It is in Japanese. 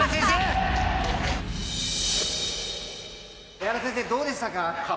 江原先生どうでしたか？